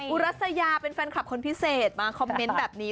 อุรัสยาเป็นแฟนคลับคนพิเศษมาคอมเมนต์แบบนี้